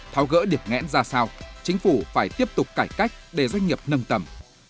tháo gỡ điểm ngẽn ra sao chính phủ phải tiếp tục cải cách để doanh nghiệp nâng tầm